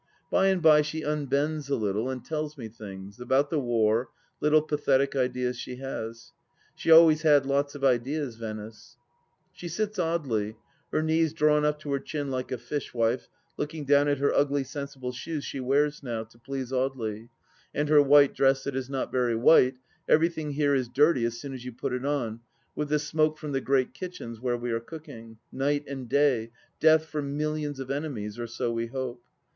... By and by she unbends a little and tells me things — about the war — little pathetic ideas she has. ... She always had lots of ideas, Venice I She sits oddly, her knees drawn up to her chin like a fish wife looking down at her ugly sensible shoes she wears now, to please Audely, and her white dress that is not very white — everything here is dirty as soon as you put it on, with the smoke from the great kitchens where we are cooking, night and day, death for millions of enemies, or so we hope.